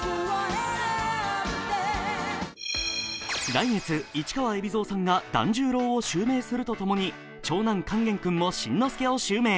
来月、市川海老蔵さんが團十郎を襲名するとともに長男・勸玄君も新之助を襲名。